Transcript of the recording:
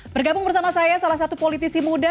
bergabung bersama saya salah satu politisi muda